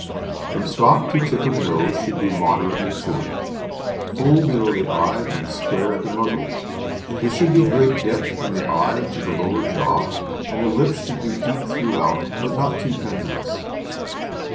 From stop to tip of nose should be moderately short; full below the eye and square at the muzzle; there should be great depth from the eye to the lower jaw, and the lips should be deep throughout, but not too pendulous.